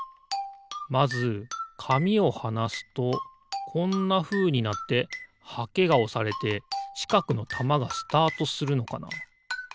まずかみをはなすとこんなふうになってはけがおされてちかくのたまがスタートするのかな？